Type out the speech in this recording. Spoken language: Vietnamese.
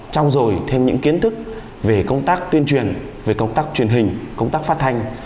trao dồi thêm những kiến thức về công tác tuyên truyền về công tác truyền hình công tác phát thanh